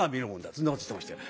そんなこと言ってましたよ。